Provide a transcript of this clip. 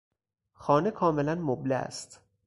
خانه کاملا مبله است.